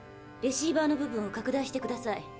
レシーバーの部分を拡大してください。